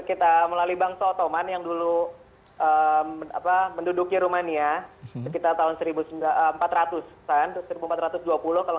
kita melalui bangsa ottoman yang dulu menduduki rumania sekitar tahun seribu empat ratus an